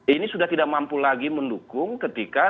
ini sudah tidak mampu lagi mendukung ketika